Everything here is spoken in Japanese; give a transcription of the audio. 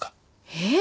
えっ！？